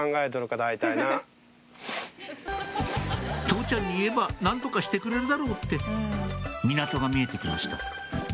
「父ちゃんに言えば何とかしてくれるだろう」って港が見えて来ました